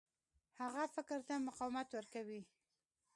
هغه فکر ته مقاومت ورکوي.